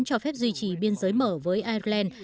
cho phép duy trì biên giới mở với ireland